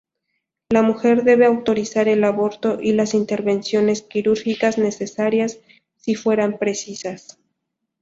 La mujer debe autorizar el aborto y las intervenciones quirúrgicas necesarias, si fueran precisas.